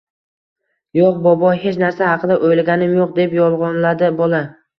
Yoʻq, bobo, hech narsa haqida oʻylaganim yoʻq, – deb yolgʻonladi bola.